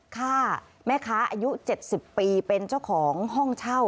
ฆ่าแม่ค้าอายุ๗๐ปีเป็นเจ้าของห้องเช่า